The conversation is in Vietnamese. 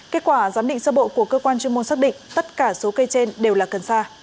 kết quả giám định sơ bộ của cơ quan chuyên môn xác định tất cả số cây trên đều là cần sa